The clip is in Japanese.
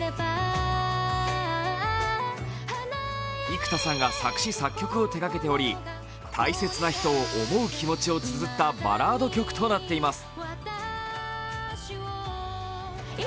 幾田さんが作詞作曲を手がけており大切な人を思う気持ちをつづったバラード曲となっています。